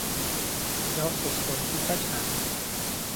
He also scored two touchdowns.